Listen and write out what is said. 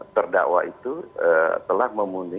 terdakwa itu telah memunculkan